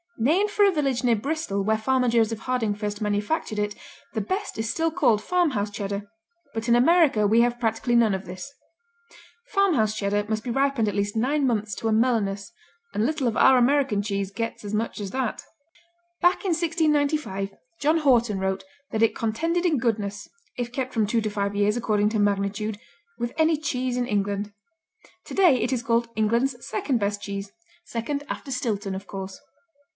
Named for a village near Bristol where farmer Joseph Harding first manufactured it, the best is still called Farmhouse Cheddar, but in America we have practically none of this. Farmhouse Cheddar must be ripened at least nine months to a mellowness, and little of our American cheese gets as much as that. Back in 1695 John Houghton wrote that it "contended in goodness (if kept from two to five years, according to magnitude) with any cheese in England." Today it is called "England's second best cheese," second after Stilton, of course.